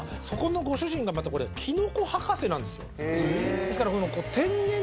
そこのご主人がまたこれキノコ博士なんですよ。ですから。